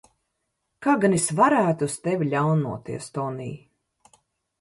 Kā gan es varētu uz tevi ļaunoties, Tonij?